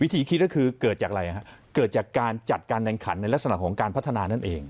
ที่คิดก็คือเกิดจากอะไรฮะเกิดจากการจัดการแข่งขันในลักษณะของการพัฒนานั่นเอง